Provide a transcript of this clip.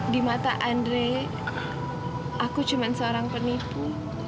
di mata andre aku cuma seorang penipu